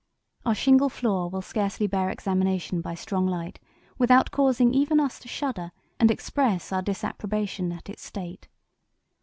Our shingle floor will scarcely bear examination by strong light without causing even us to shudder and express our disapprobation at its state.